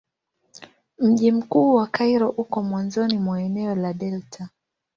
Mji mkuu wa Kairo uko mwanzoni mwa eneo la delta.